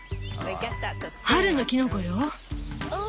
春のきのこよ。